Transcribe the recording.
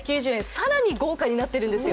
更に豪華になってるんですよ。